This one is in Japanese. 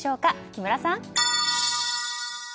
木村さん。